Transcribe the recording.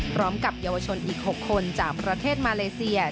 พร้อมกับเยาวชนอีก๖คนจากประเทศมาเลเซีย